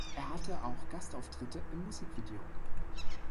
Er hatte auch Gastauftritte im Musik-Video.